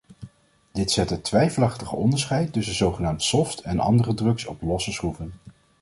Dit zet het twijfelachtige onderscheid tussen zogenaamd soft en andere drugs op losse schroeven.